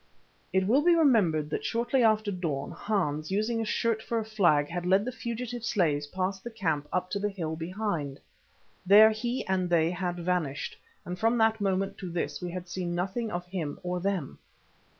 It will be remembered that shortly after dawn Hans, using a shirt for a flag, had led the fugitive slaves past the camp up to the hill behind. There he and they had vanished, and from that moment to this we had seen nothing of him or them.